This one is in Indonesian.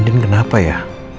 din kenapa ya